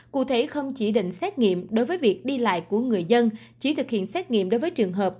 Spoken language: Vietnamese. cụ thể không chỉ định xét nghiệm đối với việc đi lại của người dân chỉ thực hiện xét nghiệm đối với trường hợp